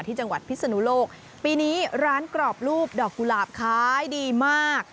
ที่จังหวัดพิศนุโลกปีนี้ร้านกรอบรูปดอกกุหลาบขายดีมาก